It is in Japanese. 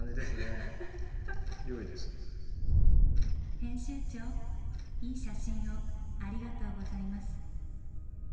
編集長いい写真をありがとうございます。